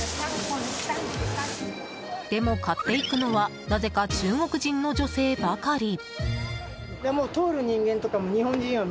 でも、買っていくのはなぜか中国人の女性ばかり。